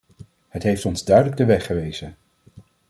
Hij heeft ons duidelijk de weg gewezen.